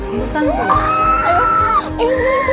terus semangat bu